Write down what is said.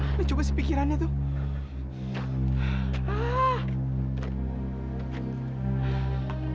sampai jumpa di video selanjutnya